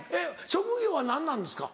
職業は何なんですか？